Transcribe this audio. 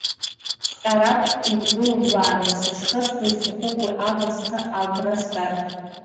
Цәҟьарагәк инкылблааны сышхысуа, исҭахуп уи ала схы агәра згар…